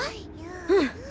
うん。